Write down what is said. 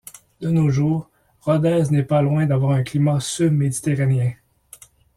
De nos jours, Rodez n'est pas loin d'avoir un climat subméditerranéen.